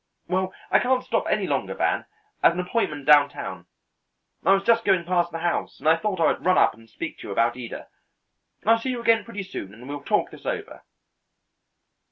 Well, I can't stop any longer, Van; I've an appointment downtown. I was just going past the house and I thought I would run up and speak to you about Ida. I'll see you again pretty soon and we'll talk this over."